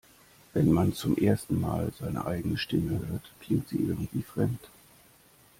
Wenn man zum ersten Mal seine eigene Stimme hört, klingt sie irgendwie fremd.